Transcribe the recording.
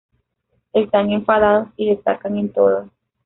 Están enfadados y destacan en todo.